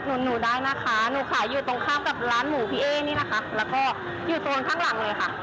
ชอบอยู่แล้วค่ะแล้วหนุ่มมาซื้อเยอะไหมเยอะมากเยอะมาก